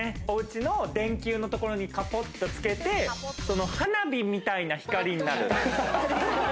おうちの電球のところにカポっとつけて、花火みたいな光になる。